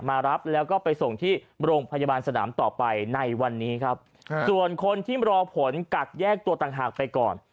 มารับแล้วก็ไปส่งที่โรงพยาบาลสนามต่อไปในวันนี้ครับส่วนคนที่รอผลกัดแยกตัวต่างหากไปก่อน